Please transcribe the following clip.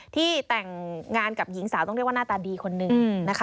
ที่แต่งงานกับหญิงสาวต้องเรียกว่าหน้าตาดีคนหนึ่งนะคะ